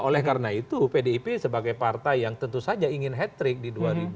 oleh karena itu pdip sebagai partai yang tentu saja ingin hat trick di dua ribu dua puluh